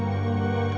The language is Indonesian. mama gak mau berhenti